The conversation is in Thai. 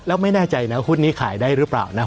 แล้วไม่แน่ใจนะหุ้นนี้ขายได้หรือเปล่านะ